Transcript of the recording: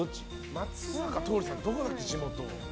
松坂桃李さん、どこだっけ地元。